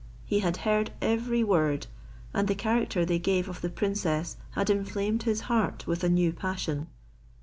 He had heard every word, and the character they gave of the princess had inflamed his heart with a new passion.